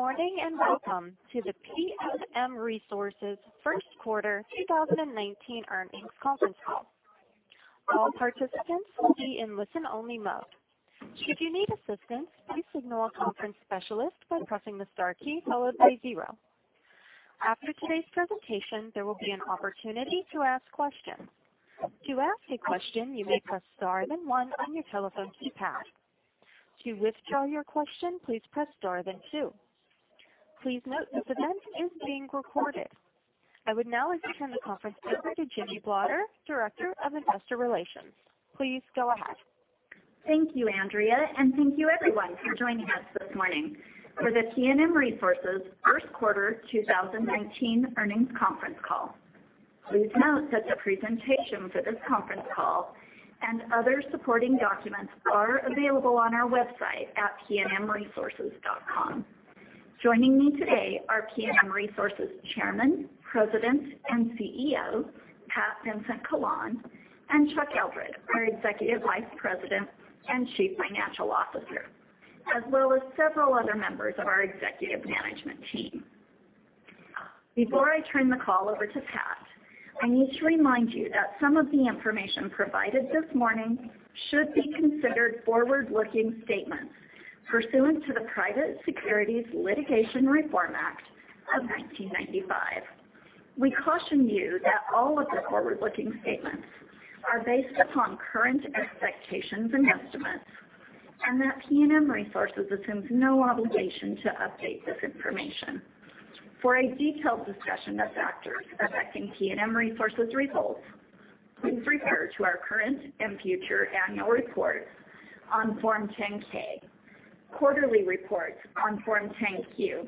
Good morning. Welcome to the PNM Resources first quarter 2019 earnings conference call. All participants will be in listen-only mode. If you need assistance, please signal a conference specialist by pressing the star key followed by zero. After today's presentation, there will be an opportunity to ask questions. To ask a question, you may press star then one on your telephone keypad. To withdraw your question, please press star then two. Please note this event is being recorded. I would now like to turn the conference over to Jimmie Blotter, Director of Investor Relations. Please go ahead. Thank you, Andrea. Thank you everyone for joining us this morning for the PNM Resources first quarter 2019 earnings conference call. Please note that the presentation for this conference call and other supporting documents are available on our website at pnmresources.com. Joining me today are PNM Resources Chairman, President, and CEO, Pat Vincent-Collawn, and Chuck Eldred, our Executive Vice President and Chief Financial Officer, as well as several other members of our executive management team. Before I turn the call over to Pat, I need to remind you that some of the information provided this morning should be considered forward-looking statements pursuant to the Private Securities Litigation Reform Act of 1995. We caution you that all of the forward-looking statements are based upon current expectations and estimates and that PNM Resources assumes no obligation to update this information. For a detailed discussion of factors affecting PNM Resources results, please refer to our current and future annual reports on Form 10-K, quarterly reports on Form 10-Q,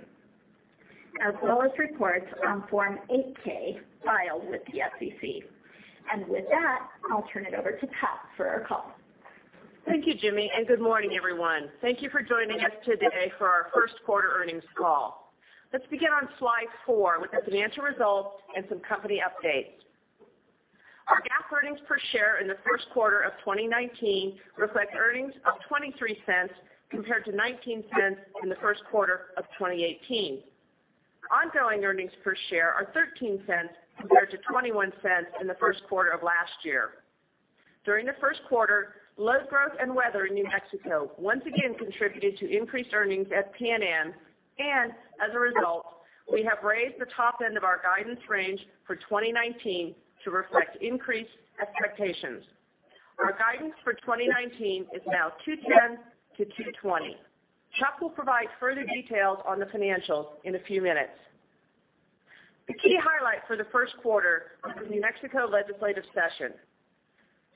as well as reports on Form 8-K filed with the SEC. With that, I'll turn it over to Pat for our call. Thank you, Jimmie. Good morning, everyone. Thank you for joining us today for our first quarter earnings call. Let's begin on slide four with the financial results and some company updates. Our GAAP earnings per share in the first quarter of 2019 reflect earnings of $0.23 compared to $0.19 in the first quarter of 2018. Ongoing earnings per share are $0.13 compared to $0.21 in the first quarter of last year. During the first quarter, load growth and weather in New Mexico once again contributed to increased earnings at PNM, and as a result, we have raised the top end of our guidance range for 2019 to reflect increased expectations. Our guidance for 2019 is now $2.10-$2.20. Chuck will provide further details on the financials in a few minutes. The key highlight for the first quarter was the New Mexico legislative session.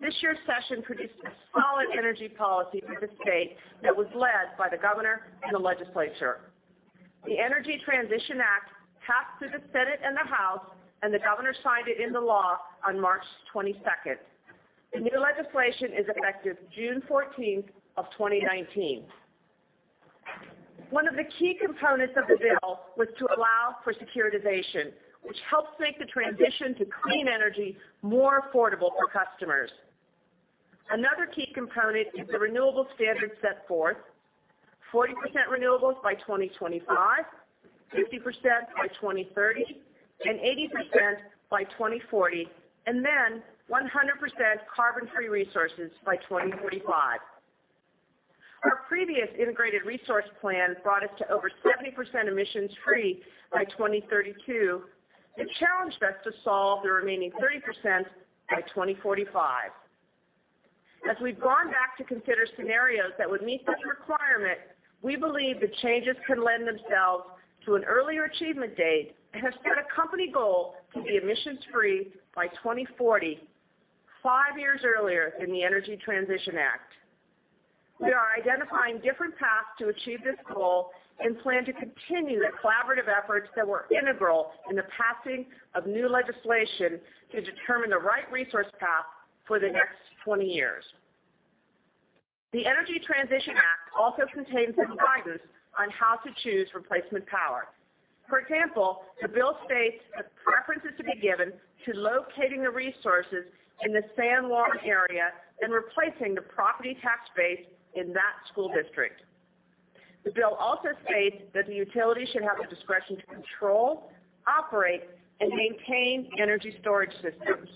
This year's session produced a solid energy policy for the state that was led by the governor and the legislature. The Energy Transition Act passed through the Senate and the House, and the governor signed it into law on March 22nd. The new legislation is effective June 14th of 2019. One of the key components of the bill was to allow for securitization, which helps make the transition to clean energy more affordable for customers. Another key component is the renewable standard set forth, 40% renewables by 2025, 50% by 2030, and 80% by 2040. Then 100% carbon-free resources by 2045. Our previous integrated resource plan brought us to over 70% emissions free by 2032. It challenged us to solve the remaining 30% by 2045. As we've gone back to consider scenarios that would meet this requirement, we believe the changes can lend themselves to an earlier achievement date and have set a company goal to be emissions free by 2040, five years earlier than the Energy Transition Act. We are identifying different paths to achieve this goal and plan to continue the collaborative efforts that were integral in the passing of new legislation to determine the right resource path for the next 20 years. The Energy Transition Act also contains some guidance on how to choose replacement power. For example, the bill states that preference is to be given to locating the resources in the San Juan area and replacing the property tax base in that school district. The bill also states that the utility should have the discretion to control, operate, and maintain energy storage systems.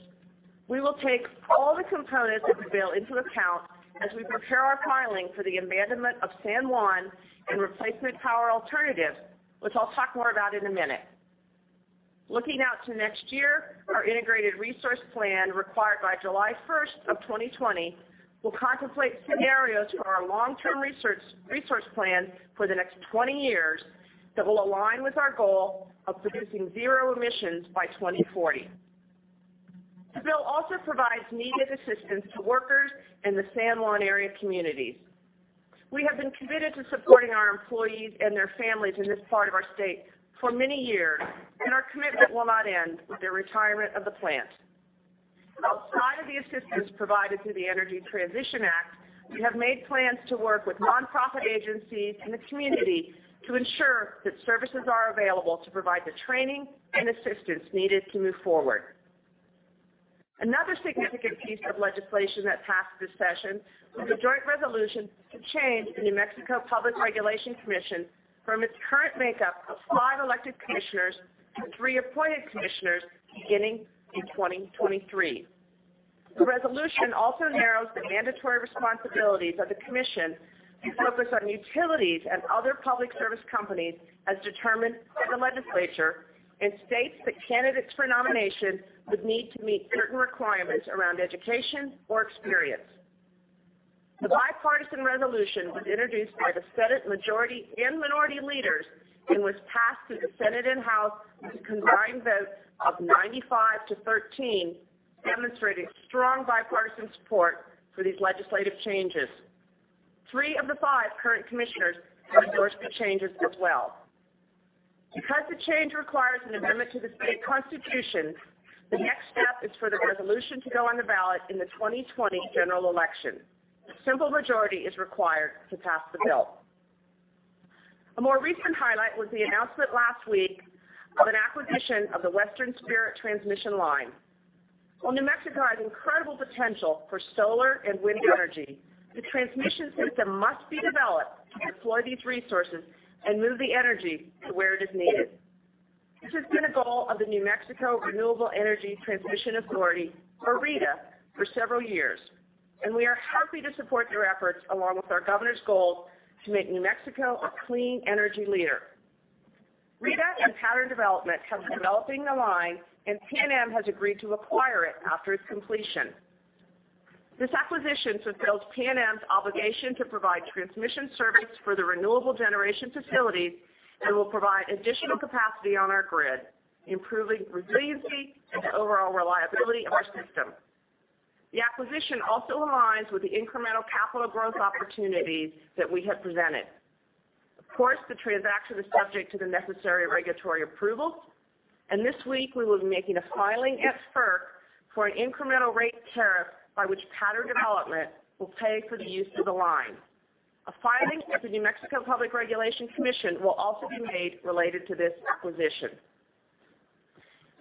We will take all the components of the bill into account as we prepare our filing for the abandonment of San Juan and replacement power alternatives, which I'll talk more about in a minute. Looking out to next year, our integrated resource plan, required by July 1st of 2020, will contemplate scenarios for our long-term resource plan for the next 20 years that will align with our goal of producing zero emissions by 2040. The bill also provides needed assistance to workers in the San Juan area communities. We have been committed to supporting our employees and their families in this part of our state for many years, and our commitment will not end with the retirement of the plant. Outside of the assistance provided through the Energy Transition Act, we have made plans to work with nonprofit agencies in the community to ensure that services are available to provide the training and assistance needed to move forward. Another significant piece of legislation that passed this session was a joint resolution to change the New Mexico Public Regulation Commission from its current makeup of five elected commissioners to three appointed commissioners beginning in 2023. The resolution also narrows the mandatory responsibilities of the commission to focus on utilities and other public service companies as determined by the legislature, and states that candidates for nomination would need to meet certain requirements around education or experience. The bipartisan resolution was introduced by the Senate majority and minority leaders and was passed through the Senate and House with combined votes of 95 to 13, demonstrating strong bipartisan support for these legislative changes. Three of the five current commissioners have endorsed the changes as well. Because the change requires an amendment to the state constitution, the next step is for the resolution to go on the ballot in the 2020 general election. A simple majority is required to pass the bill. A more recent highlight was the announcement last week of an acquisition of the Western Spirit Transmission Line. While New Mexico has incredible potential for solar and wind energy, the transmission system must be developed to deploy these resources and move the energy to where it is needed. This has been a goal of the New Mexico Renewable Energy Transmission Authority, or RETA, for several years, and we are happy to support their efforts along with our governor's goal to make New Mexico a clean energy leader. RETA and Pattern Development have been developing the line, and PNM has agreed to acquire it after its completion. This acquisition fulfills PNM's obligation to provide transmission service for the renewable generation facilities and will provide additional capacity on our grid, improving resiliency and the overall reliability of our system. The acquisition also aligns with the incremental capital growth opportunities that we have presented. Of course, the transaction is subject to the necessary regulatory approval, this week we will be making a filing at FERC for an incremental rate tariff by which Pattern Development will pay for the use of the line. A filing with the New Mexico Public Regulation Commission will also be made related to this acquisition.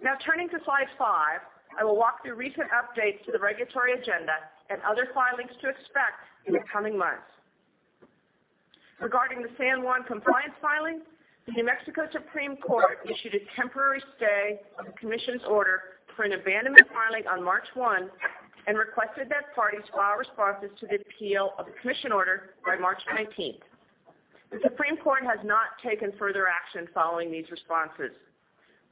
Now turning to slide five, I will walk through recent updates to the regulatory agenda and other filings to expect in the coming months. Regarding the San Juan compliance filings, the New Mexico Supreme Court issued a temporary stay of the commission's order for an abandonment filing on March 1, and requested that parties file responses to the appeal of the commission order by March 19th. The Supreme Court has not taken further action following these responses.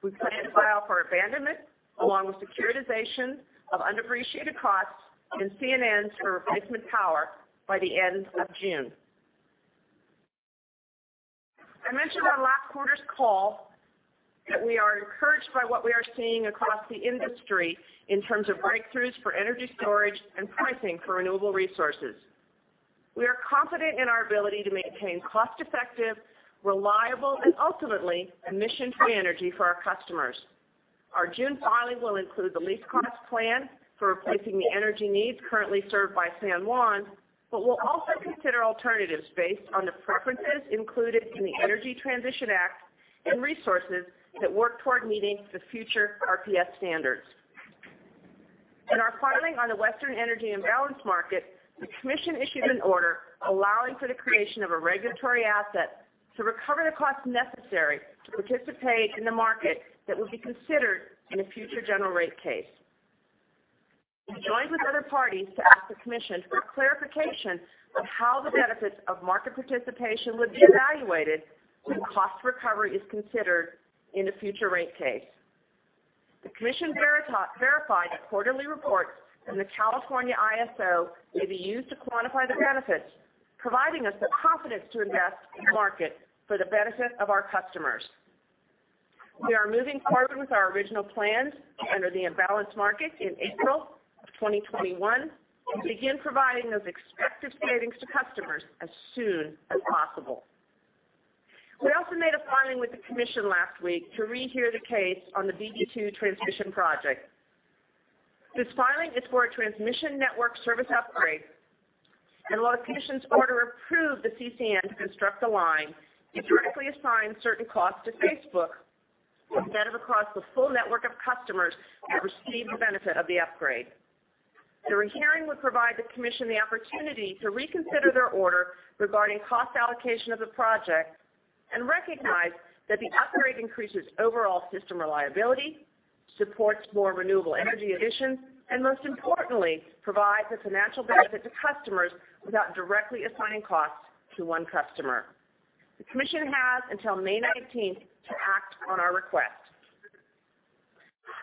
We plan to file for abandonment along with securitization of undepreciated costs in CCN's for replacement power by the end of June. I mentioned on last quarter's call that we are encouraged by what we are seeing across the industry in terms of breakthroughs for energy storage and pricing for renewable resources. We are confident in our ability to maintain cost-effective, reliable, and ultimately emission-free energy for our customers. Our June filing will include the least cost plan for replacing the energy needs currently served by San Juan, but we'll also consider alternatives based on the preferences included in the Energy Transition Act and resources that work toward meeting the future RPS standards. In our filing on the Western Energy Imbalance Market, the commission issued an order allowing for the creation of a regulatory asset to recover the costs necessary to participate in the market that would be considered in a future general rate case. We joined with other parties to ask the commission for clarification on how the benefits of market participation would be evaluated when cost recovery is considered in a future rate case. The commission verified that quarterly reports from the California ISO may be used to quantify the benefits, providing us the confidence to invest in the market for the benefit of our customers. We are moving forward with our original plans to enter the imbalance market in April of 2021 and begin providing those expected savings to customers as soon as possible. We also made a filing with the commission last week to rehear the case on the BB2 transmission project. This filing is for a transmission network service upgrade, and while the commission's order approved the CCN to construct the line, it directly assigned certain costs to Facebook instead of across the full network of customers that receive the benefit of the upgrade. The rehearing would provide the commission the opportunity to reconsider their order regarding cost allocation of the project and recognize that the upgrade increases overall system reliability, supports more renewable energy additions, and most importantly, provides a financial benefit to customers without directly assigning costs to one customer. The commission has until May 19th to act on our request.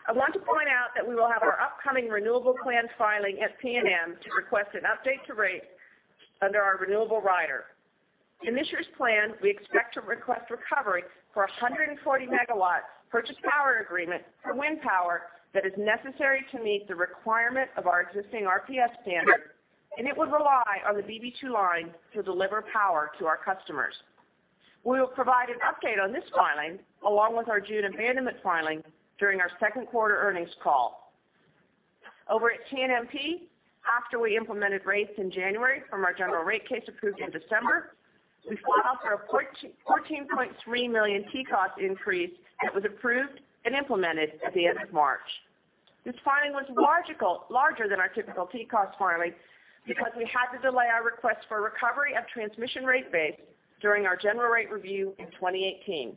I want to point out that we will have our upcoming renewable plan filing at PNM to request an update to rates under our renewable rider. In this year's plan, we expect to request recovery for 140 megawatts purchase power agreement for wind power that is necessary to meet the requirement of our existing RPS standard, and it would rely on the BB2 line to deliver power to our customers. We will provide an update on this filing along with our June abandonment filing during our second quarter earnings call. Over at TNMP, after we implemented rates in January from our general rate case approved in December, we filed for a $14.3 million TCOS increase that was approved and implemented at the end of March. This filing was larger than our typical TCOS filing because we had to delay our request for recovery of transmission rate base during our general rate review in 2018.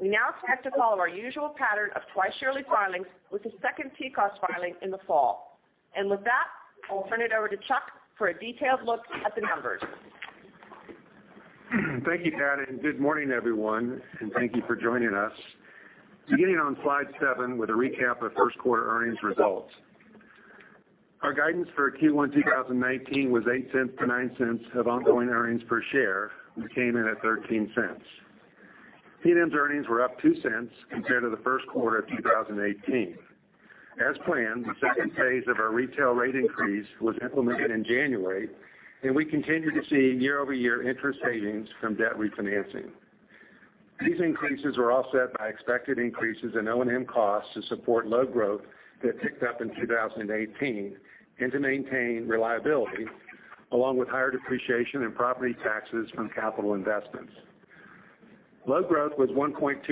We now expect to follow our usual pattern of twice-yearly filings with a second TCOS filing in the fall. With that, I'll turn it over to Chuck for a detailed look at the numbers. Thank you, Pat, good morning, everyone, thank you for joining us. Beginning on slide seven with a recap of first-quarter earnings results. Our guidance for Q1 2019 was $0.08-$0.09 of ongoing earnings per share. We came in at $0.13. PNM's earnings were up $0.02 compared to the first quarter of 2018. As planned, the second phase of our retail rate increase was implemented in January, and we continue to see year-over-year interest savings from debt refinancing. These increases were offset by expected increases in O&M costs to support load growth that picked up in 2018 and to maintain reliability, along with higher depreciation and property taxes from capital investments. Load growth was 1.2%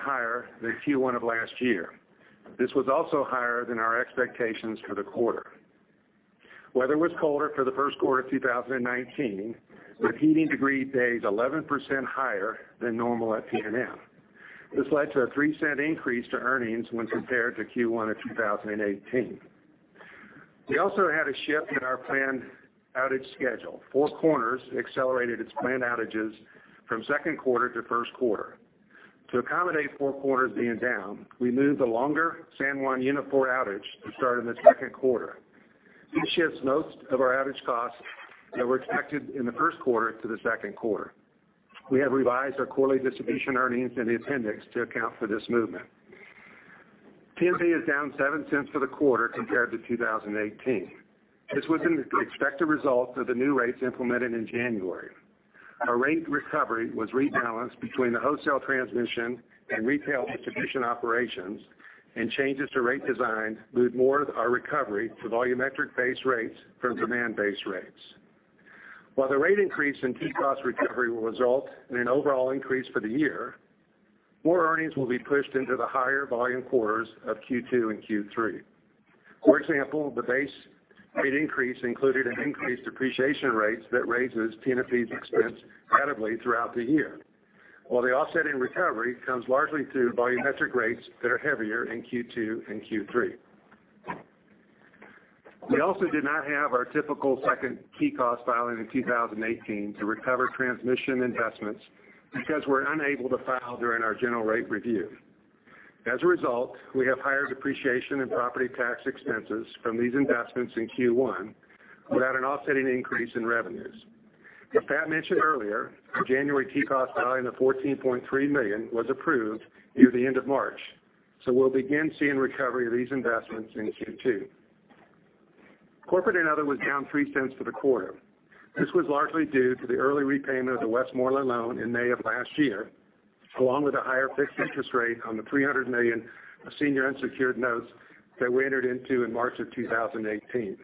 higher than Q1 of last year. This was also higher than our expectations for the quarter. Weather was colder for the first quarter of 2019, with heating degree days 11% higher than normal at PNM. This led to a $0.03 increase to earnings when compared to Q1 of 2018. We also had a shift in our planned outage schedule. Four Corners accelerated its planned outages from second quarter to first quarter. To accommodate Four Corners being down, we moved the longer San Juan Unit 4 outage to start in the second quarter. This shifts most of our outage costs that were expected in the first quarter to the second quarter. We have revised our quarterly distribution earnings in the appendix to account for this movement. TNP is down $0.07 for the quarter compared to 2018. This was an expected result of the new rates implemented in January. Our rate recovery was rebalanced between the wholesale transmission and retail distribution operations, and changes to rate design moved more of our recovery to volumetric-based rates from demand-based rates. While the rate increase in t cost recovery will result in an overall increase for the year, more earnings will be pushed into the higher volume quarters of Q2 and Q3. For example, the base rate increase included increased depreciation rates that raises TNP's expense gradually throughout the year, while the offset in recovery comes largely through volumetric rates that are heavier in Q2 and Q3. We also did not have our typical second t cost filing in 2018 to recover transmission investments because we're unable to file during our general rate review. As a result, we have higher depreciation and property tax expenses from these investments in Q1 without an offsetting increase in revenues. As Pat mentioned earlier, our January t cost filing of $14.3 million was approved near the end of March, so we'll begin seeing recovery of these investments in Q2. Corporate and other was down $0.03 for the quarter. This was largely due to the early repayment of the Westmoreland loan in May of last year, along with a higher fixed interest rate on the $300 million of senior unsecured notes that we entered into in March of 2018.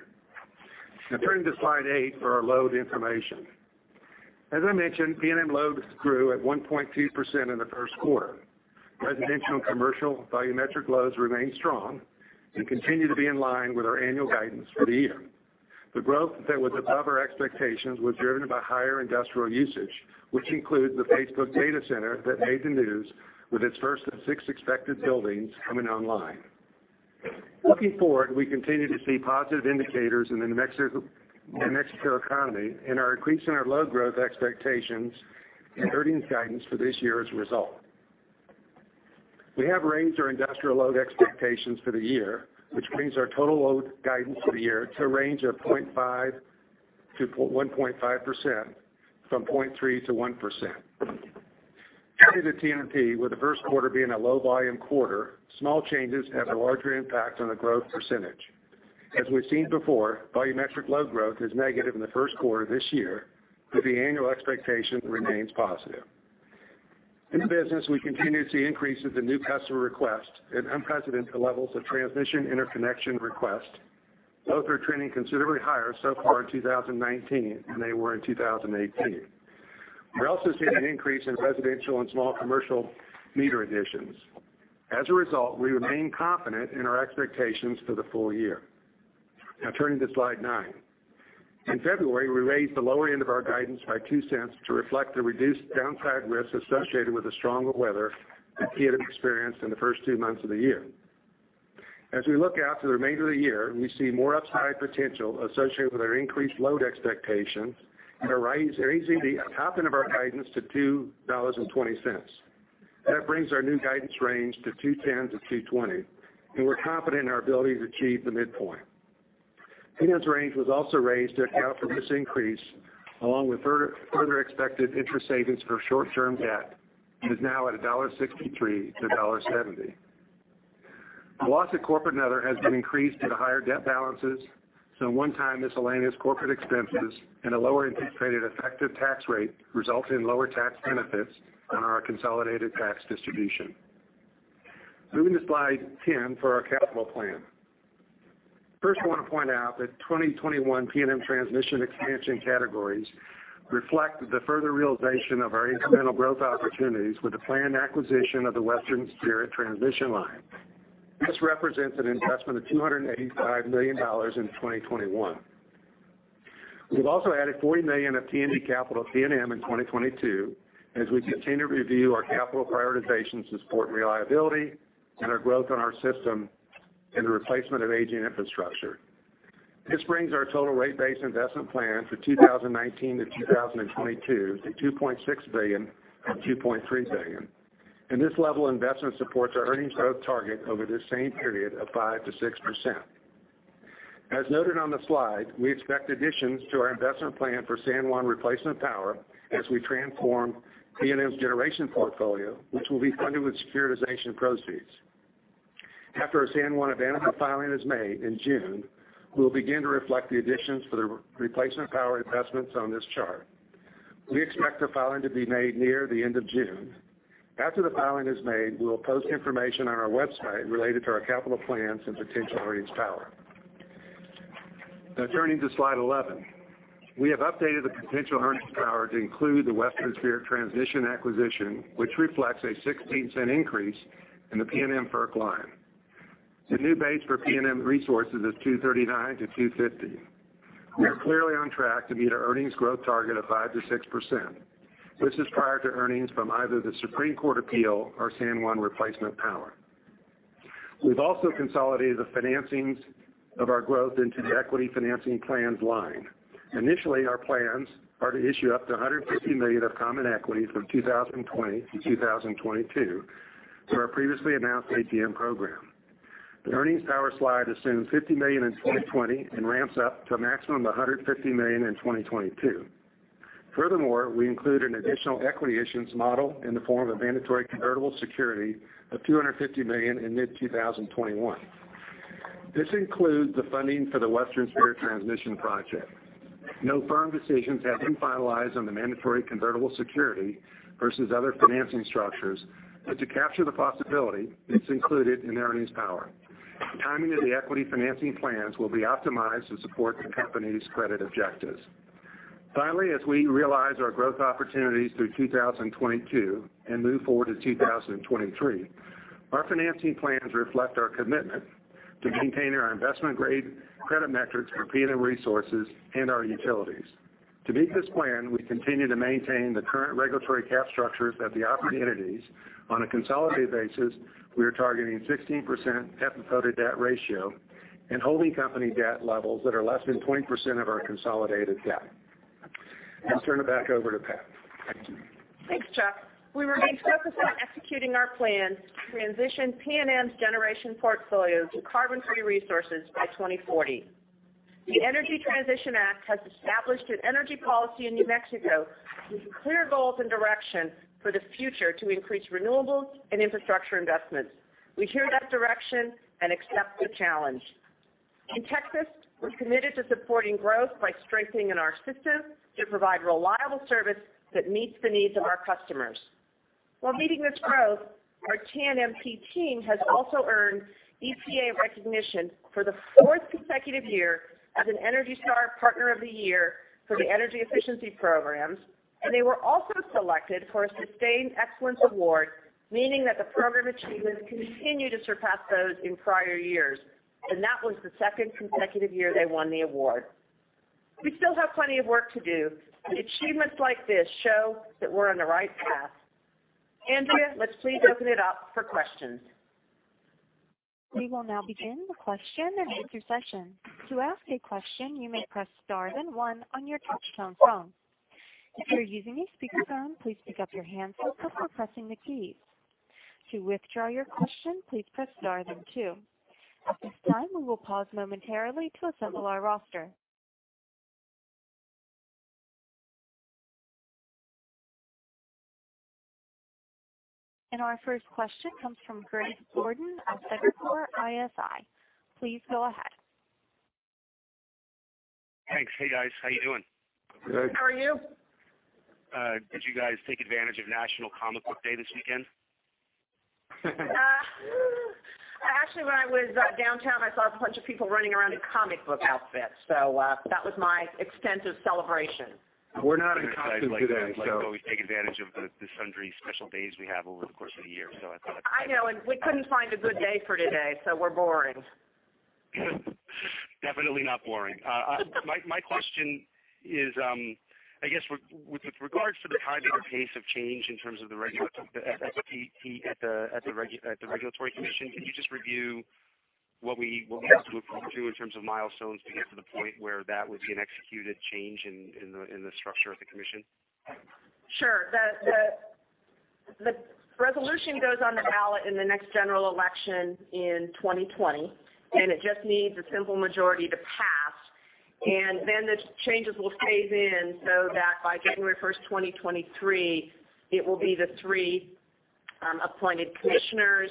Now turning to slide eight for our load information. As I mentioned, PNM loads grew at 1.2% in the first quarter. Residential and commercial volumetric loads remain strong and continue to be in line with our annual guidance for the year. The growth that was above our expectations was driven by higher industrial usage, which includes the Facebook data center that made the news with its first of six expected buildings coming online. Looking forward, we continue to see positive indicators in the New Mexico economy and are increasing our load growth expectations and earnings guidance for this year as a result. We have raised our industrial load expectations for the year, which brings our total load guidance for the year to a range of 0.5%-1.5%, from 0.3%-1%. Due to the TNP, with the first quarter being a low-volume quarter, small changes have a larger impact on the growth percentage. As we've seen before, volumetric load growth is negative in the first quarter this year, but the annual expectation remains positive. In the business, we continue to see increases in new customer requests and unprecedented levels of transmission interconnection requests. Both are trending considerably higher so far in 2019 than they were in 2018. We're also seeing an increase in residential and small commercial meter additions. As a result, we remain confident in our expectations for the full year. Now turning to slide nine. In February, we raised the lower end of our guidance by $0.02 to reflect the reduced downside risk associated with the stronger weather that TNMP experienced in the first two months of the year. As we look out to the remainder of the year, we see more upside potential associated with our increased load expectations and are raising the top end of our guidance to $2.20. That brings our new guidance range to between $2.10-$2.20, and we're confident in our ability to achieve the midpoint. PNM's range was also raised to account for this increase, along with further expected interest savings for short-term debt, and is now at $1.63-$1.70. The loss of corporate and other has been increased due to higher debt balances, some one-time miscellaneous corporate expenses, and a lower anticipated effective tax rate, resulting in lower tax benefits on our consolidated tax distribution. Moving to slide 10 for our capital plan. First, I want to point out that 2021 PNM transmission expansion categories reflect the further realization of our incremental growth opportunities with the planned acquisition of the Western Spirit Transmission Line. This represents an investment of $285 million in 2021. We've also added $40 million of TNMP capital to PNM in 2022, as we continue to review our capital prioritizations to support reliability and our growth on our system in the replacement of aging infrastructure. This brings our total rate base investment plan for 2019-2022 to $2.6 billion from $2.3 billion. This level of investment supports our earnings growth target over this same period of 5%-6%. As noted on the slide, we expect additions to our investment plan for San Juan replacement power as we transform PNM's generation portfolio, which will be funded with securitization proceeds. After a San Juan abandonment filing is made in June, we will begin to reflect the additions for the replacement power investments on this chart. We expect the filing to be made near the end of June. After the filing is made, we will post information on our website related to our capital plans and potential earnings power. Now, turning to slide 11. We have updated the potential earnings power to include the Western Spirit Transmission acquisition, which reflects a $0.16 increase in the PNM FERC line. The new base for PNM Resources is $2.39-$2.50. We are clearly on track to meet our earnings growth target of 5%-6%. This is prior to earnings from either the Supreme Court appeal or San Juan replacement power. We've also consolidated the financings of our growth into the equity financing plans line. Initially, our plans are to issue up to $150 million of common equities from 2020-2022 for our previously announced ATM program. The earnings power slide assumes $50 million in 2020 and ramps up to a maximum of $150 million in 2022. Furthermore, we include an additional equity issuance model in the form of a mandatory convertible security of $250 million in mid-2021. This includes the funding for the Western Spirit Transmission project. No firm decisions have been finalized on the mandatory convertible security versus other financing structures, but to capture the possibility, it is included in the earnings power. The timing of the equity financing plans will be optimized to support the company's credit objectives. Finally, as we realize our growth opportunities through 2022 and move forward to 2023, our financing plans reflect our commitment to maintaining our investment-grade credit metrics for PNM Resources and our utilities. To meet this plan, we continue to maintain the current regulatory cap structures at the operating entities. On a consolidated basis, we are targeting 16% debt-to-EBITDA ratio and holding company debt levels that are less than 20% of our consolidated debt. Let's turn it back over to Pat. Thanks, Chuck. We remain focused on executing our plans to transition PNM's generation portfolio to carbon-free resources by 2040. The Energy Transition Act has established an energy policy in New Mexico with clear goals and direction for the future to increase renewables and infrastructure investments. We hear that direction and accept the challenge. In Texas, we are committed to supporting growth by strengthening our systems to provide reliable service that meets the needs of our customers. While meeting this growth, our TNMP team has also earned EPA recognition for the fourth consecutive year as an ENERGY STAR Partner of the Year for the energy efficiency programs, and they were also selected for a Sustained Excellence Award, meaning that the program achievements continue to surpass those in prior years. That was the second consecutive year they won the award. We still have plenty of work to do, and achievements like this show that we are on the right path. Andrea, let's please open it up for questions. We will now begin the question and answer session. To ask a question, you may press star then one on your touchtone phone. If you're using a speakerphone, please pick up your handset before pressing the keys. To withdraw your question, please press star then two. At this time, we will pause momentarily to assemble our roster. Our first question comes from Greg Gordon of Evercore ISI. Please go ahead. Thanks. Hey, guys. How you doing? Good. How are you? Did you guys take advantage of National Comic Book Day this weekend? Actually, when I was downtown, I saw a bunch of people running around in comic book outfits. That was my extensive celebration. We're not in costume today. We always take advantage of the sundry special days we have over the course of the year. I know. We couldn't find a good day for today. We're boring. Definitely not boring. My question is, I guess with regards to the timing and pace of change in terms of the regulatory commission, can you just review what we need to look forward to in terms of milestones to get to the point where that would be an executed change in the structure of the commission? Sure. The resolution goes on the ballot in the next general election in 2020. It just needs a simple majority to pass. The changes will phase in so that by January 1st, 2023, it will be the three appointed commissioners,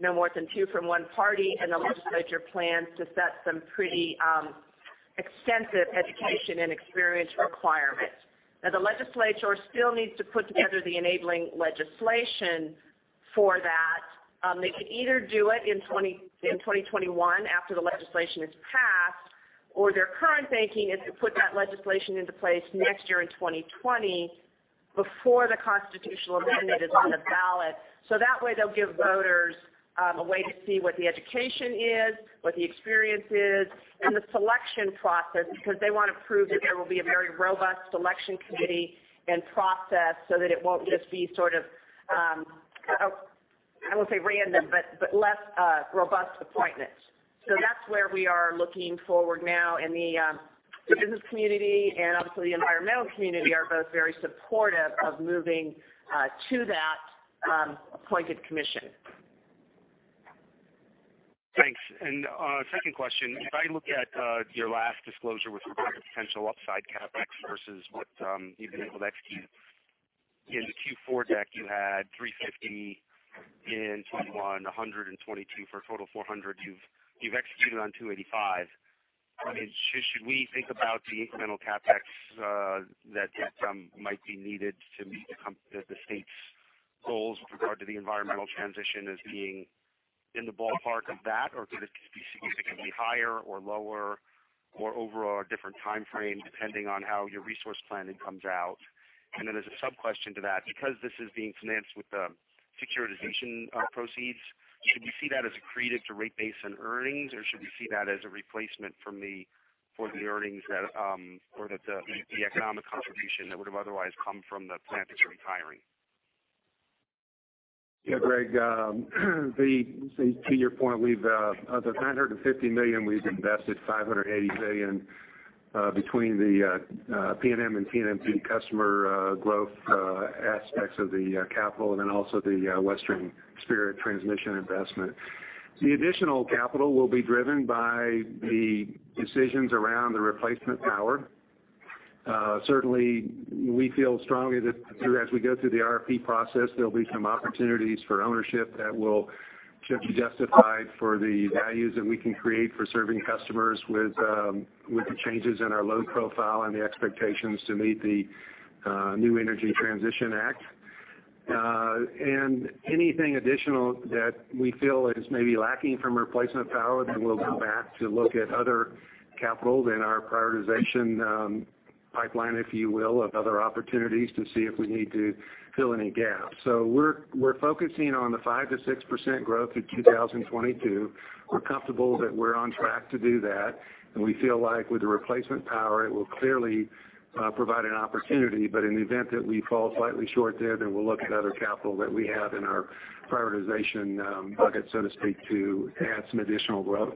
no more than two from one party. The legislature plans to set some pretty extensive education and experience requirement. The legislature still needs to put together the enabling legislation for that. They can either do it in 2021 after the legislation is passed, or their current thinking is to put that legislation into place next year in 2020 before the constitutional amendment is on the ballot. That way they'll give voters a way to see what the education is, what the experience is, and the selection process, because they want to prove that there will be a very robust selection committee and process so that it won't just be, I won't say random, but less robust appointments. That's where we are looking forward now, and the business community and obviously the environmental community are both very supportive of moving to that appointed commission. Thanks. Second question, if I look at your last disclosure with regard to potential upside CapEx versus what you've been able to execute, in the Q4 deck, you had $350 in 2021, $122 for a total of $400. You've executed on $285. Should we think about the incremental CapEx that might be needed to meet the state's goals with regard to the environmental transition as being in the ballpark of that? Could it be significantly higher or lower or over a different timeframe, depending on how your resource planning comes out? Then as a sub question to that, because this is being financed with the securitization proceeds, should we see that as accretive to rate base and earnings? Should we see that as a replacement for the earnings or the economic contribution that would've otherwise come from the plant that you're retiring? Yeah, Greg, to your point, of the $950 million, we've invested $580 million between the PNM and TNMP customer growth aspects of the capital, and also the Western Spirit Transmission investment. The additional capital will be driven by the decisions around the replacement power. Certainly, we feel strongly that as we go through the RFP process, there'll be some opportunities for ownership that will be justified for the values that we can create for serving customers with the changes in our load profile and the expectations to meet the new Energy Transition Act. Anything additional that we feel is maybe lacking from replacement power, we'll go back to look at other capital in our prioritization pipeline, if you will, of other opportunities to see if we need to fill any gaps. We're focusing on the 5%-6% growth through 2022. We're comfortable that we're on track to do that, and we feel like with the replacement power, it will clearly provide an opportunity. In the event that we fall slightly short there, we'll look at other capital that we have in our prioritization bucket, so to speak, to add some additional growth.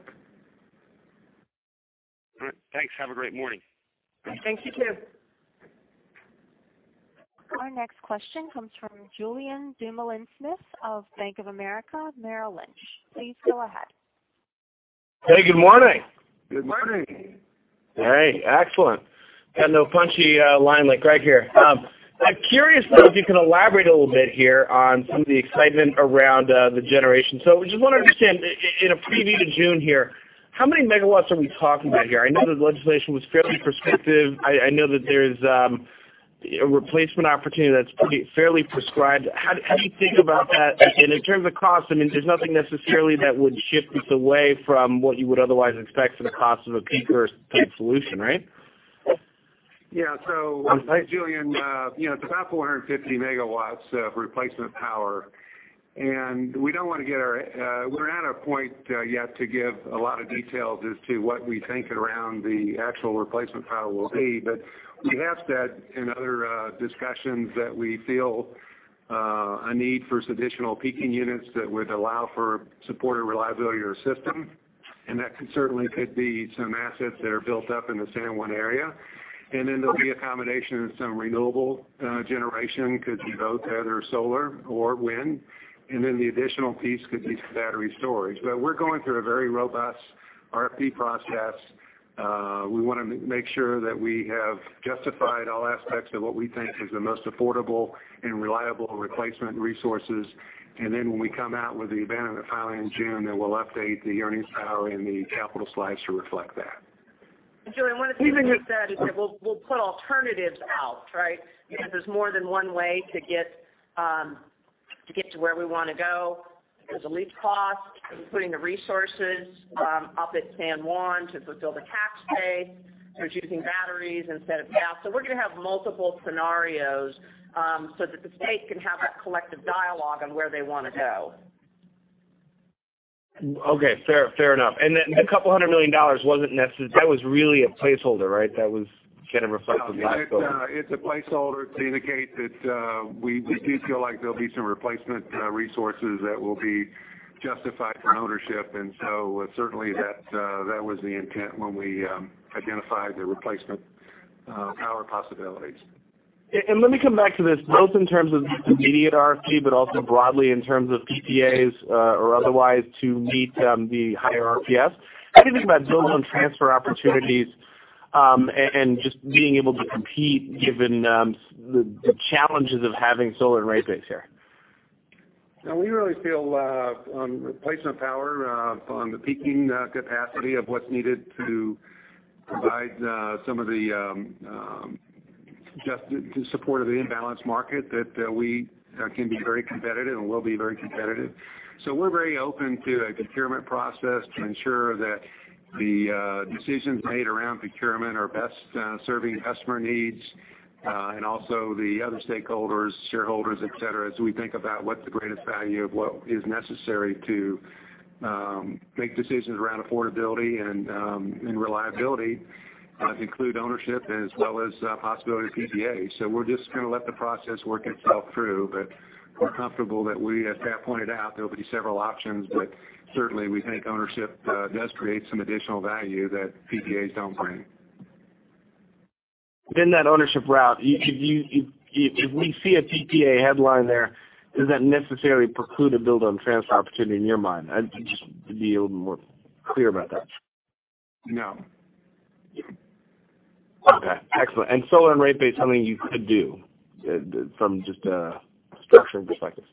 All right. Thanks. Have a great morning. Thank you too. Our next question comes from Julien Dumoulin-Smith of Bank of America Merrill Lynch. Please go ahead. Hey, good morning. Good morning. Hey, excellent. Got no punchy line like Greg here. I'm curious, though, if you can elaborate a little bit here on some of the excitement around the generation. I just want to understand in a preview to June here, how many megawatts are we talking about here? I know the legislation was fairly prescriptive. I know that there's a replacement opportunity that's fairly prescribed. How do you think about that? And in terms of cost, there's nothing necessarily that would shift this away from what you would otherwise expect for the cost of a peaker type solution, right? Julien, it's about 450 MW of replacement power. We're not at a point yet to give a lot of details as to what we think around the actual replacement power will be. We have said in other discussions that we feel a need for some additional peaking units that would allow for support or reliability of system, and that certainly could be some assets that are built up in the San Juan area. There'll be a combination of some renewable generation, could be both either solar or wind, and then the additional piece could be some battery storage. We're going through a very robust RFP process. We want to make sure that we have justified all aspects of what we think is the most affordable and reliable replacement resources. When we come out with the event filing in June, then we'll update the earnings power and the capital slides to reflect that. Julien, one of the things we've said is that we'll put alternatives out, right. Because there's more than one way to get to where we want to go. There's a lead cost in putting the resources up at San Juan to build a CapEx. There's using batteries instead of gas. We're going to have multiple scenarios so that the state can have that collective dialogue on where they want to go. Okay. Fair enough. The $200 million wasn't necessary. That was really a placeholder, right. That was kind of reflected last quarter. It's a placeholder to indicate that we do feel like there'll be some replacement resources that will be justified for ownership. Certainly that was the intent when we identified the replacement power possibilities. Let me come back to this, both in terms of the immediate RFP, but also broadly in terms of PPAs or otherwise to meet the higher RFPs. How do you think about build on transfer opportunities, and just being able to compete given the challenges of having solar and rate base here? No, we really feel on replacement power, on the peaking capacity of what's needed to provide some of the suggested to support of the imbalance market, that we can be very competitive and will be very competitive. We're very open to a procurement process to ensure that the decisions made around procurement are best serving customer needs. Also the other stakeholders, shareholders, et cetera, as we think about what's the greatest value of what is necessary to make decisions around affordability and reliability include ownership as well as possibility of PPA. We're just going to let the process work itself through, but we're comfortable that we, as Pat pointed out, there'll be several options. We think ownership does create some additional value that PPAs don't bring. Within that ownership route, if we see a PPA headline there, does that necessarily preclude a build on transfer opportunity in your mind? Just to be a little more clear about that. No. Okay. Excellent. Solar and rate base, something you could do from just a structuring perspective?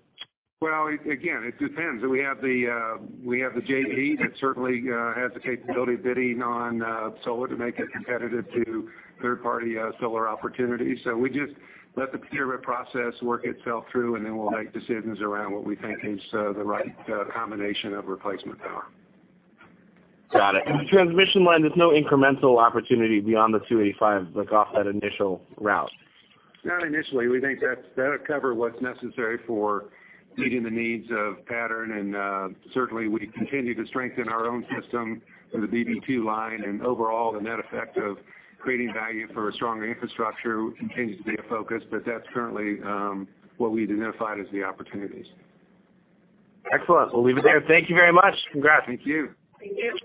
Well, again, it depends. We have the JV that certainly has the capability of bidding on solar to make it competitive to third-party solar opportunities. We just let the procurement process work itself through, and then we'll make decisions around what we think is the right combination of replacement power. Got it. The transmission line, there's no incremental opportunity beyond the 285, like off that initial route? Not initially. We think that'll cover what's necessary for meeting the needs of Pattern. Certainly, we continue to strengthen our own system with the BPQ line. Overall, the net effect of creating value for a stronger infrastructure continues to be a focus. That's currently what we've identified as the opportunities. Excellent. We'll leave it there. Thank you very much. Congrats. Thank you. Thank you.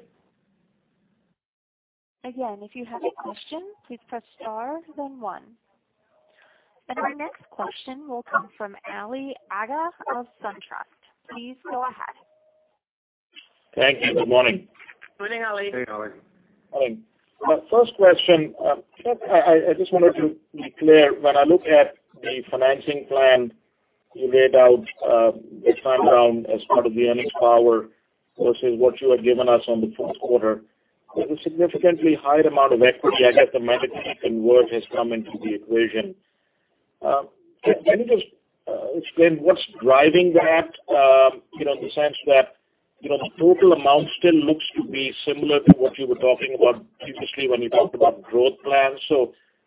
Again, if you have a question, please press star, then one. Our next question will come from Ali Agha of SunTrust. Please go ahead. Thank you. Good morning. Morning, Ali. Hey, Ali. Hi. My first question, I just wanted to be clear. When I look at the financing plan you laid out, the time down as part of the earnings power versus what you had given us on the first quarter. There's a significantly higher amount of equity. I guess the management work has come into the equation. Can you just explain what's driving that? In the sense that, the total amount still looks to be similar to what you were talking about previously when you talked about growth plans.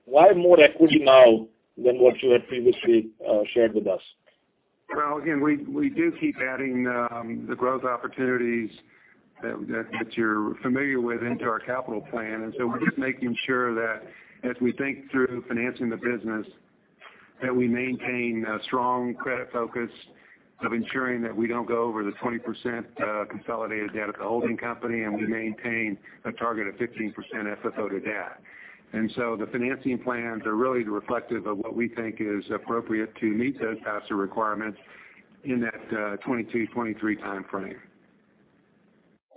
Why more equity now than what you had previously shared with us? Well, again, we do keep adding the growth opportunities that you're familiar with into our capital plan. We're just making sure that as we think through financing the business, that we maintain a strong credit focus of ensuring that we don't go over the 20% consolidated debt of the holding company, and we maintain a target of 15% FFO to debt. The financing plans are really reflective of what we think is appropriate to meet those PASA requirements in that 2022, 2023 timeframe.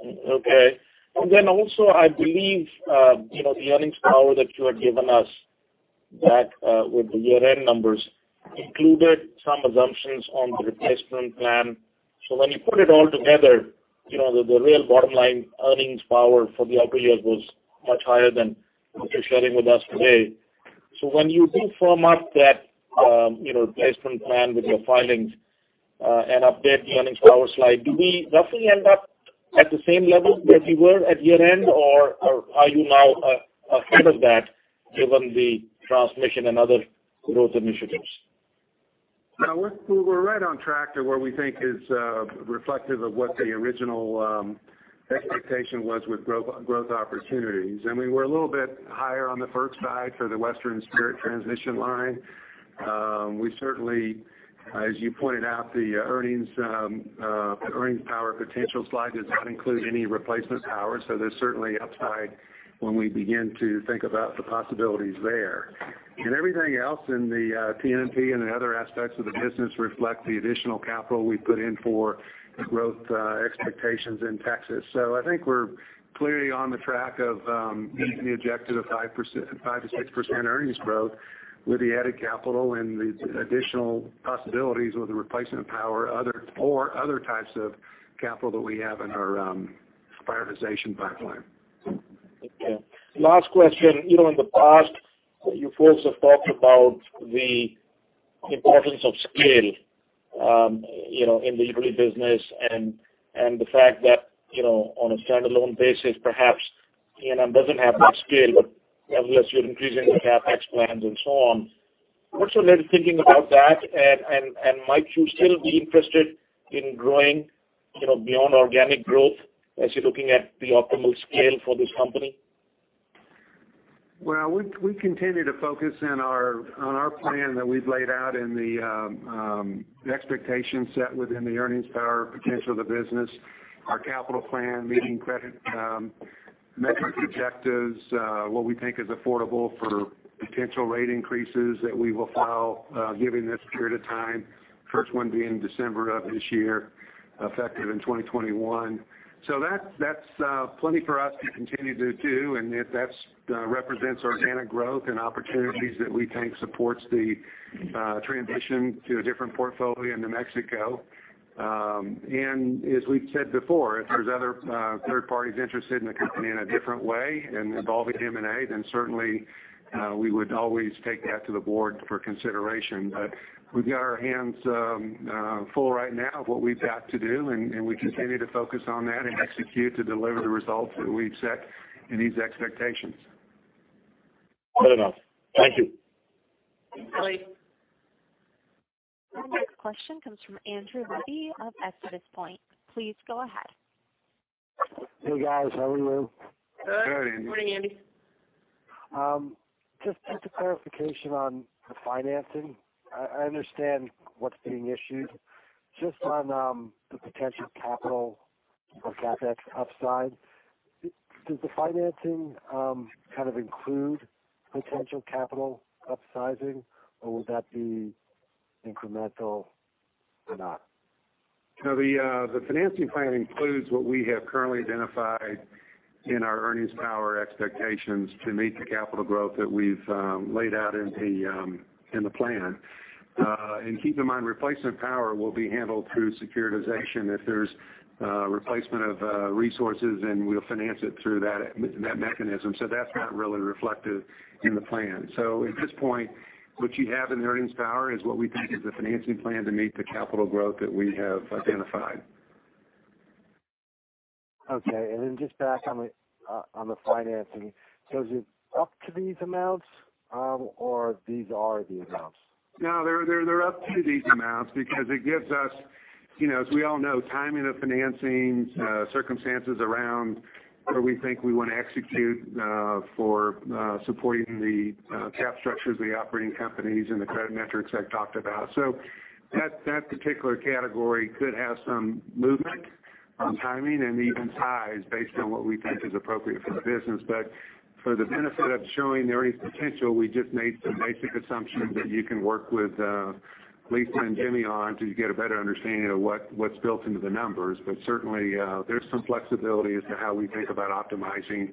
Okay. Also, I believe, the earnings power that you had given us back with the year-end numbers included some assumptions on the replacement plan. When you put it all together, the real bottom line earnings power for the upper years was much higher than what you're sharing with us today. When you do firm up that replacement plan with your filings, and update the earnings power slide, do we roughly end up at the same level that you were at year-end? Or are you now ahead of that given the transmission and other growth initiatives? No. We're right on track to where we think is reflective of what the original expectation was with growth opportunities. We were a little bit higher on the FERC side for the Western Spirit Transmission Line. We certainly, as you pointed out, the earnings power potential slide does not include any replacement power. There's certainly upside when we begin to think about the possibilities there. Everything else in the TNMP and the other aspects of the business reflect the additional capital we put in for the growth expectations in Texas. I think we're clearly on the track of meeting the objective of 5%-6% earnings growth with the added capital and the additional possibilities with the replacement power or other types of capital that we have in our prioritization pipeline. Okay. Last question. In the past, you folks have talked about the importance of scale in the equity business and the fact that on a standalone basis, perhaps TXNM doesn't have that scale, but nevertheless, you're increasing your CapEx plans and so on. What's your latest thinking about that? Might you still be interested in growing beyond organic growth as you're looking at the optimal scale for this company? We continue to focus on our plan that we've laid out and the expectation set within the earnings power potential of the business, our capital plan, meeting credit metrics objectives, what we think is affordable for potential rate increases that we will file, given this period of time, first one being December of this year, effective in 2021. That's plenty for us to continue to do, and that represents organic growth and opportunities that we think supports the transition to a different portfolio in New Mexico. As we've said before, if there's other third parties interested in the company in a different way and involving M&A, then certainly we would always take that to the board for consideration. We've got our hands full right now of what we've got to do, and we continue to focus on that and execute to deliver the results that we've set in these expectations. Fair enough. Thank you. Thanks. Our next question comes from Andrew Hobby of Estimus Point. Please go ahead. Hey, guys. How are you? Good. Morning, Andy. Just take a clarification on the financing. I understand what's being issued. Just on the potential capital or CapEx upside. Does the financing kind of include potential capital upsizing, or would that be incremental or not? The financing plan includes what we have currently identified in our earnings power expectations to meet the capital growth that we've laid out in the plan. Keep in mind, replacement power will be handled through securitization if there's replacement of resources, and we'll finance it through that mechanism. That's not really reflected in the plan. At this point, what you have in earnings power is what we think is the financing plan to meet the capital growth that we have identified. Okay. Just back on the financing. Is it up to these amounts or these are the amounts? They're up to these amounts because it gives us, as we all know, timing of financings, circumstances around where we think we want to execute for supporting the cap structures of the operating companies and the credit metrics I've talked about. That particular category could have some movement on timing and even size based on what we think is appropriate for the business. For the benefit of showing there is potential, we just made some basic assumptions that you can work with Lisa and Jimmie on to get a better understanding of what's built into the numbers. Certainly, there's some flexibility as to how we think about optimizing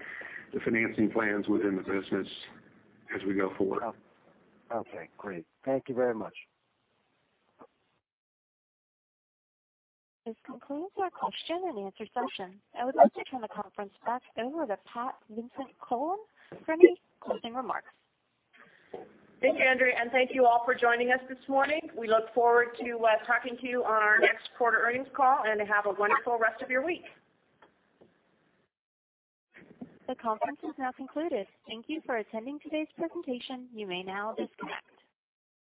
the financing plans within the business as we go forward. Great. Thank you very much. This concludes our question and answer session. I would like to turn the conference back over to Pat Vincent-Collawn for any closing remarks. Thank you, Andrew, and thank you all for joining us this morning. We look forward to talking to you on our next quarter earnings call, and have a wonderful rest of your week. The conference is now concluded. Thank you for attending today's presentation. You may now disconnect.